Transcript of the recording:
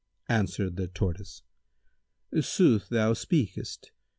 Answered the Tortoise, "Sooth thou speakest!